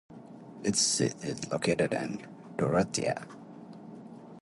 Its seat is located in Dorotea.